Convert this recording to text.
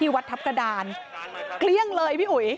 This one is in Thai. วัดทัพกระดานเกลี้ยงเลยพี่อุ๋ย